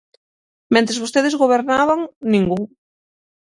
Mentres vostedes gobernaban, ningún.